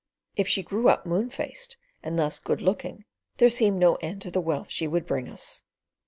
If she grew up moon faced, and thus "good looking," there seemed no end to the wealth she would bring us.